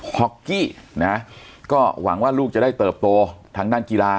ฮอกกี้นะก็หวังว่าลูกจะได้เติบโตทางด้านกีฬา